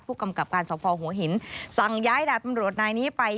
กำกับการสภหัวหินสั่งย้ายดาบตำรวจนายนี้ไป